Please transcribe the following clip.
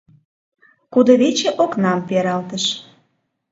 Кудывече окнам пералтыш.